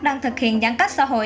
đang thực hiện giãn cách xã hội